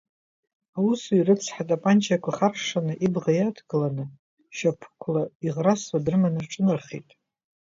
Аусуҩ рыцҳа атапанчақәа хыршаны ибӷа иадкыланы, шьапԥықәла иӷрасуа дрыманы рҿынархеит.